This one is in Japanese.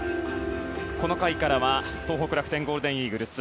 この回からは東北楽天ゴールデンイーグルス